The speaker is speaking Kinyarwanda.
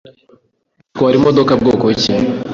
atwara imodoka bwoko ki?